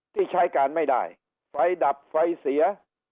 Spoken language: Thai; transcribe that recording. ที่ใช้การไม่ได้ไฟดับไฟเสีย